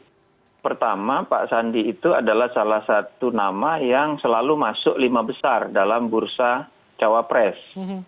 jadi pertama pak sandi itu adalah salah satu nama yang selalu masuk lima besar dalam bursa cawapres